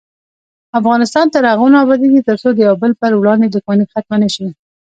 افغانستان تر هغو نه ابادیږي، ترڅو د یو بل پر وړاندې دښمني ختمه نشي.